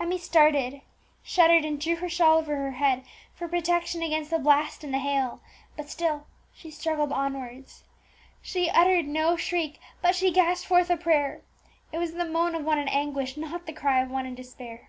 Emmie started, shuddered, and drew her shawl over her head for protection against the blast and the hail, but still she struggled onwards. She uttered no shriek, but she gasped forth a prayer; it was the moan of one in anguish, not the cry of one in despair.